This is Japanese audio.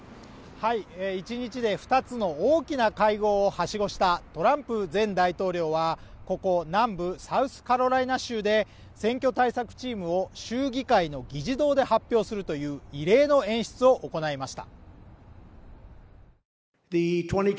一日で２つの大きな会合をはしごしたトランプ前大統領は、ここ南部サウスカロライナ州で選挙対策チームを州議会の議事堂で発表するという異例の演出を行いました。